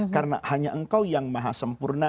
karena hanya engkau yang mahasempurna